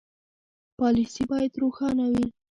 پالیسي باید روښانه وي.